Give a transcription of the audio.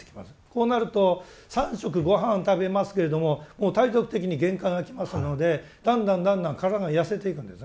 こうなると三食ごはん食べますけれどももう体力的に限界がきますのでだんだんだんだん体が痩せていくんですね。